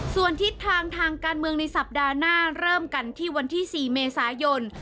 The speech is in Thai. ส่วนทิศทางทางการเมืองในสัปดาห์หน้าเริ่มกันที่วันที่๔เมษายน